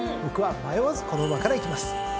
僕は迷わずこの馬からいきます。